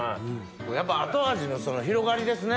やっぱ後味のその広がりですね。